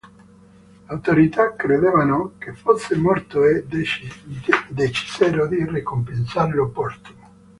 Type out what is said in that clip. Le autorità credevano che fosse morto e decisero di ricompensarlo postumo.